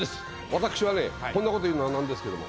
私はねこんなこと言うのは何ですけども。